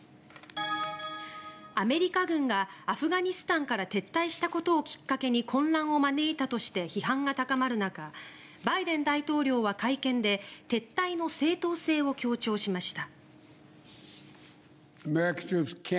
アメリカ軍がアフガニスタンから撤退したことをきっかけに混乱を招いたとして批判が高まる中バイデン大統領は会見で撤退の正当性を強調しました。